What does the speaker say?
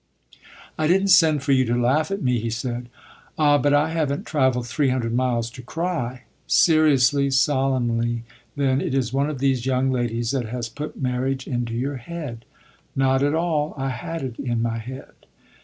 "I did n't send for you to laugh at me," he said. "Ah, but I have n't travelled three hundred miles to cry! Seriously, solemnly, then, it is one of these young ladies that has put marriage into your head?" "Not at all. I had it in my head."